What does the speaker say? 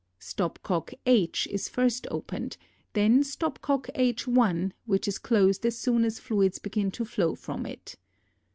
Stopcock H is first opened, then stop cock H_ which is closed as soon as fluid begins to flow from it.